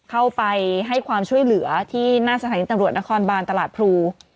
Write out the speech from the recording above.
เข้าไปให้ความช่วยเหลือที่หน้าสถานีตำรวจนครบานตลาดพลู